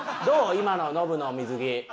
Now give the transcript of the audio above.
今のノブの水着。